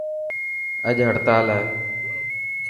اڄ هڙتال هي.